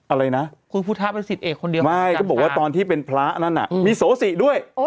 อะไรนะก็บอกว่าตอนที่เป็นพลานะนั้นมีโรศิด้วย